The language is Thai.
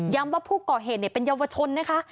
ว่าผู้ก่อเหตุเป็นเยาวชนนะคะ